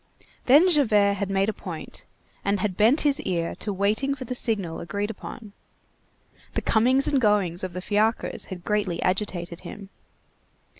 Then Javert had made a point and had bent his ear to waiting for the signal agreed upon. The comings and goings of the fiacres had greatly agitated him.